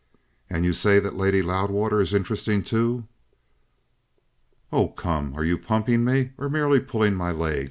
"And you say that Lady Loudwater is interesting too?" "Oh, come! Are you pumping me or merely pulling my leg?"